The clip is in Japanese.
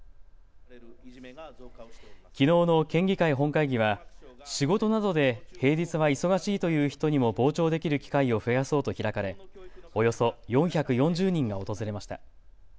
きのうの県議会本会議は仕事などで平日は忙しいという人にも傍聴できる機会を増やそうと開かれおよそ４４０人が訪れました。